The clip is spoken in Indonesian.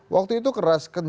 waktu itu keras